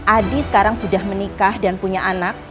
adi sekarang sudah menikah dan punya anak